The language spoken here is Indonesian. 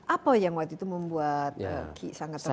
apa yang waktu itu membuat ki sangat tertarik